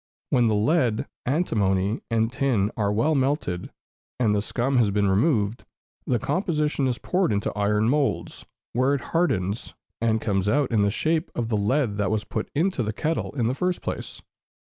When the lead, antimony, and tin are well melted, and the scum has been removed, the composition is poured into iron moulds, where it hardens, and comes out in the shape of the lead that was put into the kettle in the first place.